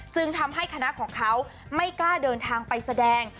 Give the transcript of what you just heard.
จึงทำให้คณะของเขาไม่กล้าเดินทางไปแสดง